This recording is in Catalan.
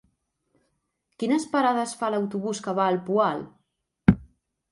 Quines parades fa l'autobús que va al Poal?